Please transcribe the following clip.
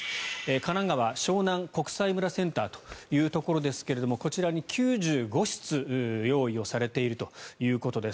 神奈川・湘南国際村センターというところですがこちらに９５室用意されているということです。